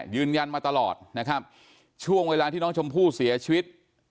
ยืนยันมาตลอดนะครับช่วงเวลาที่น้องชมพู่เสียชีวิต